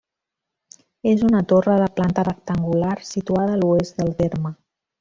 És una torre de planta rectangular, situada a l'oest del terme.